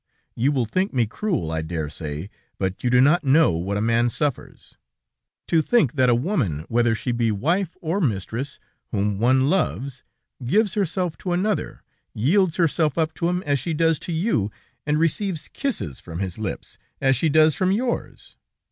You will think me cruel, I dare say; but you do not know what a man suffers. To think that a woman, whether she be wife or mistress, whom one loves, gives herself to another, yields herself up to him as she does to you, and receives kisses from his lips, as she does from yours!